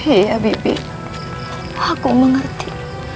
iya bibi aku mengerti